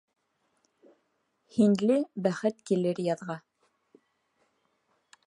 Һинле бәхет килер яҙға!